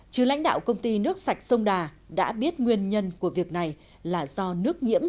chứ lãnh đạo công ty nước sạch sông đà đã biết nguyên nhân